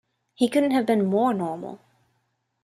He couldn't have been more normal.